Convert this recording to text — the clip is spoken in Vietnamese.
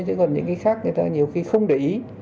chứ còn những cái khác người ta nhiều khi không để ý